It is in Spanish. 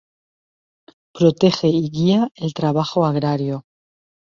Protege y guía el trabajo agrario.